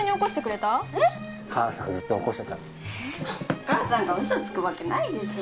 お母さんが嘘つくわけないでしょ。